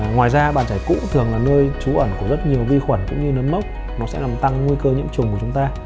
ngoài ra bạn trẻ cũ thường là nơi trú ẩn của rất nhiều vi khuẩn cũng như nấm mốc nó sẽ làm tăng nguy cơ nhiễm trùng của chúng ta